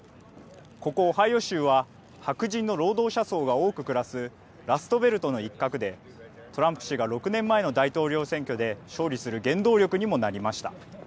ここオハイオ州は、白人の労働者層が多く暮らすラストベルトの一角で、トランプ氏が６年前の大統領選挙で勝利する原動力にもなりました。